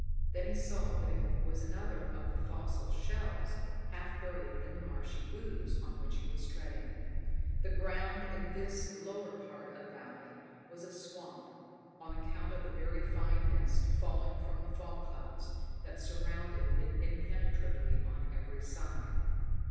Then he saw that it was another of the fossil shells, half buried in the marshy ooze on which he was treading. The ground in this lower part of the valley was a swamp, on account of the very fine mist falling from the fog clouds that surrounded it impenetrably on every side.